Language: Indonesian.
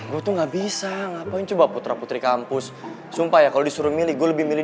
butuh nggak bisa ngapain coba putra putri kampus sumpah ya kalau disuruh milih gue lebih milih